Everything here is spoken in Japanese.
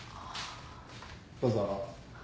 どうぞ。